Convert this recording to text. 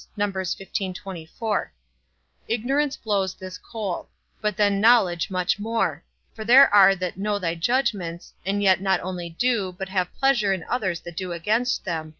Ignorance blows this coal; but then knowledge much more; for there are that know thy judgments, and yet not only do, but have pleasure in others that do against them.